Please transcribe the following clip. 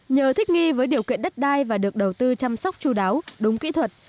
nhờ thích nghi với điều kiện đất đai và được đầu tư chăm sóc chú đáo đúng kỹ thuật